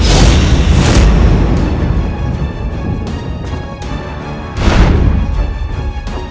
aku pergi dulu ibu nda